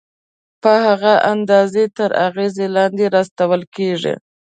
په هغه اندازه تر اغېزې لاندې راوستل کېږي.